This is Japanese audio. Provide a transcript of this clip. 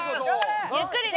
ゆっくりね。